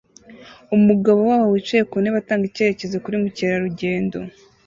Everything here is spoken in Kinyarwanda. Umugabo waho wicaye ku ntebe atanga icyerekezo kuri mukerarugendo